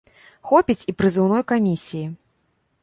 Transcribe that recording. Хопіць і прызыўной камісіі.